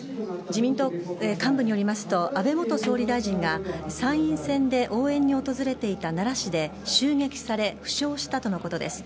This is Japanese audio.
自民党幹部によりますと安倍元総理大臣が参院選で応援に訪れていた奈良市で、襲撃され負傷したとのことです。